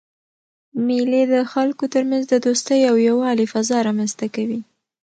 مېلې د خلکو ترمنځ د دوستۍ او یووالي فضا رامنځ ته کوي.